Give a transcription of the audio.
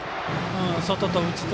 外と内と。